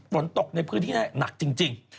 ฝนตกในพื้นที่นั่นหนักจริง